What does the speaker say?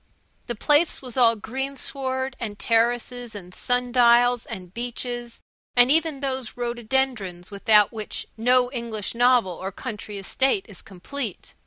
The place was all greensward, and terraces, and sun dials, and beeches, and even those rhododendrons without which no English novel or country estate is complete.